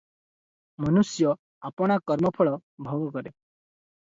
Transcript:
ମନୁଷ୍ୟ ଆପଣା କର୍ମଫଳ ଭୋଗ କରେ ।